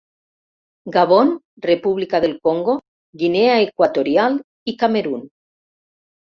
Gabon, República del Congo, Guinea Equatorial i Camerun.